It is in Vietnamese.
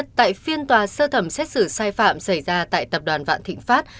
tại phiên tòa sơ thẩm xét xử sai phạm xảy ra tại tập đoàn vạn thịnh pháp